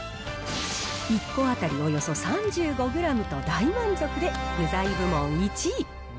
１個当たりおよそ３５グラムと大満足で具材部門１位。